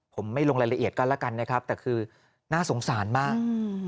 ผมไม่ลงรายละเอียดกันแล้วกันนะครับแต่คือน่าสงสารมาก